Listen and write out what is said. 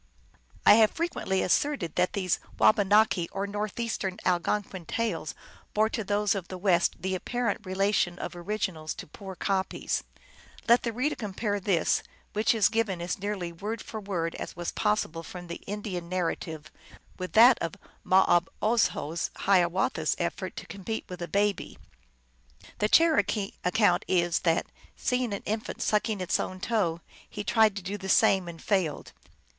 I have frequently asserted that these Wabanaki or Northeastern Algonquin tales bore to those of the West the apparent relation of originals to poor copies. Let the reader compare this, which is given as nearly word for word as was possible from the Indian narrative, with that of Mauobozho Hiawatha s effort to compete with a baby. The Cherokee account is that, seeing an infant sucking its own toe, he tried to do the same, and failed.